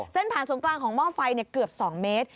ผ่านศูนย์กลางของหม้อไฟเกือบ๒เมตร